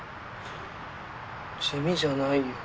地味じゃないよ。